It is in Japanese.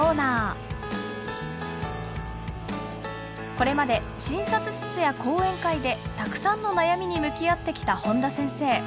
これまで診察室や講演会でたくさんの悩みに向き合ってきた本田先生。